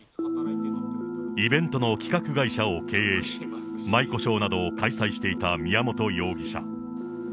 イベントの企画会社を経営し、舞妓ショーなどを開催していた宮本容疑者。